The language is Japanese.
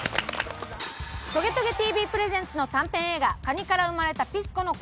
『トゲトゲＴＶ』プレゼンツの短編映画『蟹から生まれたピスコの恋』